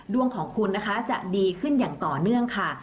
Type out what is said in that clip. ดวงของคุณนะคะจะดีขึ้นอย่างต่อเนื่องค่ะ